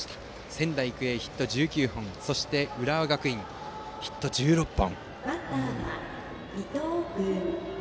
仙台育英、ヒット１９本浦和学院はヒット１６本。